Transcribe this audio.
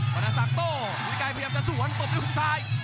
บรรณสัตว์โต้มิลิกายเตรียมจะสวนตกอยู่ซ้าย